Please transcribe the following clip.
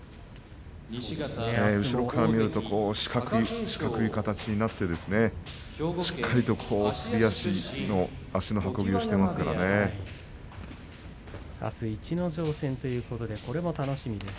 後ろから見ると四角い形になってしっかり、すり足のあす逸ノ城戦ということでこれも楽しみです。